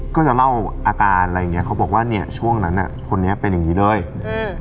ก็จะเล่าอาการอะไรอย่างเงี้เขาบอกว่าเนี้ยช่วงนั้นอ่ะคนนี้เป็นอย่างงี้เลยอืม